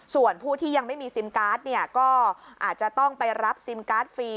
ส่วนผู้ที่ยังไม่มีซิมการ์ดเนี่ยก็อาจจะต้องไปรับซิมการ์ดฟรี